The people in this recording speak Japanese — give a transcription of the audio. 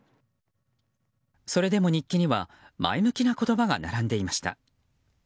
それでも日記には前向きな言葉が並んでいました。